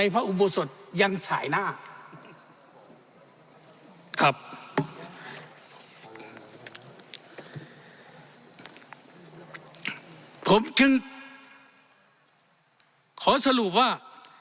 ผมจึงขอสรุปว่า